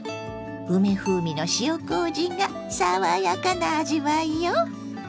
梅風味の塩こうじが爽やかな味わいよ！